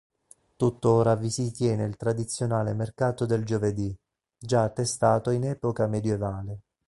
Tuttora vi si tiene il tradizionale mercato del giovedì, già attestato in epoca medioevale.